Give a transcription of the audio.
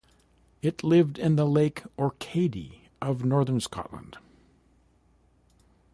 It lived in the Lake Orcadie of northern Scotland.